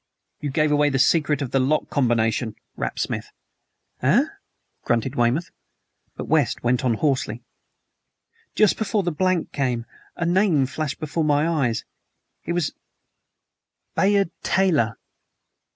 "You gave away the secret of the lock combination!" rapped Smith. "Eh!" grunted Weymouth. But West went on hoarsely: "Just before the blank came a name flashed before my eyes. It was 'Bayard Taylor.'"